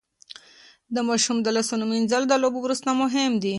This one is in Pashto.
د ماشوم د لاسونو مينځل د لوبو وروسته مهم دي.